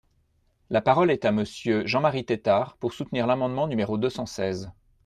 La parole est à Monsieur Jean-Marie Tétart, pour soutenir l’amendement numéro deux cent seize.